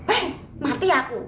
eh mati aku